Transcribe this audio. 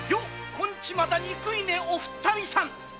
こんちまた憎いねお二人さん日本一！